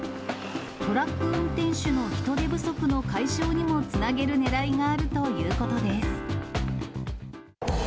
トラック運転手の人手不足の解消にもつなげるねらいがあるということです。